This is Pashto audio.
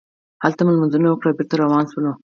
هلته مو لمونځونه وکړل او بېرته روان شولو.